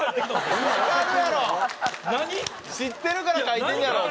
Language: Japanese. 知ってるから書いてんねやろお前！